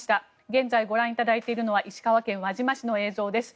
現在、ご覧いただいているのは石川県輪島市の映像です。